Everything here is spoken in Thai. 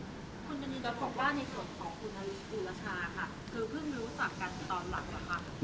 คุณบรินิตรบอกว่าในส่วนของคุณฮริชาคือเพิ่งรู้จักกันตอนหลังหรือครับ